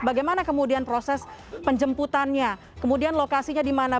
bagaimana kemudian proses penjemputannya kemudian lokasinya di mana